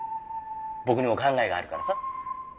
僕にも考えがあるからさ。